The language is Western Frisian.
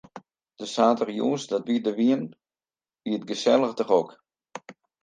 De saterdeitejûns dat wy der wiene, wie it gesellich drok.